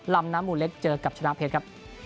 ลำน้ำมุนเล็กเจอกับชนะเพชร